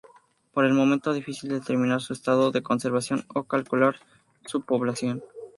Por el momento es difícil determinar su estado de conservación o calcular su población.